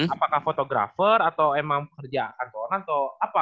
apakah fotografer atau emang kerja anggaran atau apa